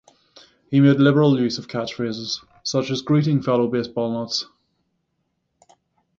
He made liberal use of catchphrases, such as Greetings fellow baseball nuts!